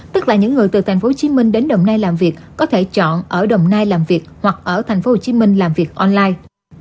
tức là những người từ tp hcm đến đồng nai làm việc có thể chọn ở đồng nai làm việc hoặc ở tp hcm làm việc online